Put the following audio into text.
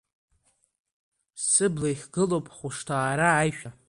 Сыбла ихгылоуп ҳхәышҭаара аишәа…